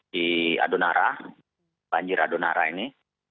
di adonara banjir adonara ini